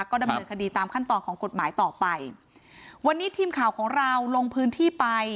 ก็ดำเนินคดีตามขั้นตอนของกฎหมายต่อไปวันนี้ทีมข่าวของเราลงพื้นที่ไป